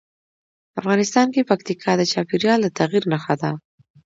افغانستان کې پکتیکا د چاپېریال د تغیر نښه ده.